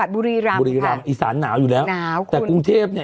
บุรีรัมพลอิสานหนาวอยู่แล้วแต่กรุงเทพเนี่ย